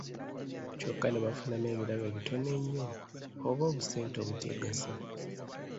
Kyokka ne bafunamu ebirabo ebitono ennyo, oba obusente obuteegasa.